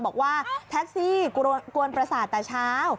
บอกว่าแท็กซี่กวนประสาทแต่เช้า